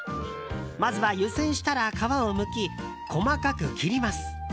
まずは湯煎したら皮をむき、細かく切ります。